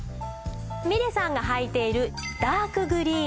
みれさんがはいているダークグリーン。